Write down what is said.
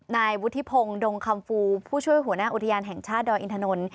นายวุฒิพงศ์ดงคำฟูผู้ช่วยหัวหน้าอุทยานแห่งชาติดอยอินทนนท์